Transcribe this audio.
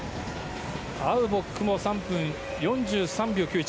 アウボックも３分４３秒９１。